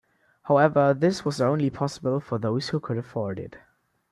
However, this was only possible for those who could afford it.